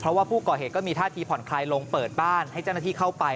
เพราะว่าผู้ก่อเหตุก็มีท่าทีผ่อนคลายลงเปิดบ้านให้เจ้าหน้าที่เข้าไป